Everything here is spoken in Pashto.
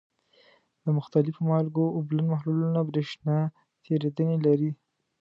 د مختلفو مالګو اوبلن محلولونه برېښنا تیریدنې لري.